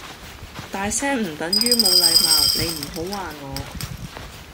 大聲唔係等於冇禮貌你唔好話我